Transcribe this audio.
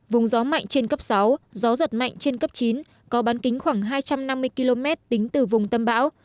vùng gió mạnh trên cấp sáu gió giật mạnh trên cấp chín có bán kính khoảng hai trăm năm mươi km tính từ vùng tâm bão